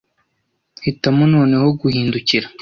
Hitamo noneho guhindukira?